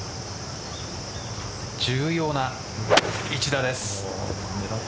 重要な一打です。